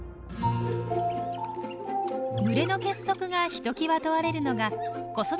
群れの結束がひときわ問われるのが子育ての時。